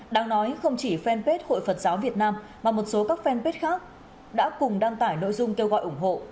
đáng nói không chỉ fanpage hội phật giáo việt nam mà một số các fanpage khác đã cùng đăng tải nội dung kêu gọi ủng hộ